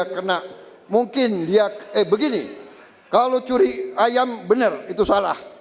kena mungkin dia eh begini kalau curi ayam benar itu salah